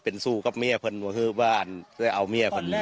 เป็นสู้กับเมียพรรณวงศุกร์บ้านได้เอาเมียปันนี่